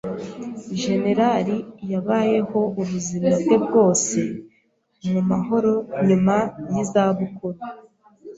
Jenerali yabayeho ubuzima bwe bwose mu mahoro nyuma yizabukuru.